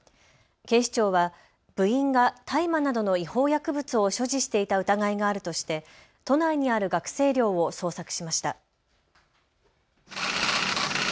警視庁は部員が大麻などの違法薬物を所持していた疑いがあるとして都内にある学生寮を捜索しました。